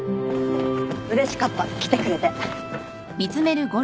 うれしかった来てくれて。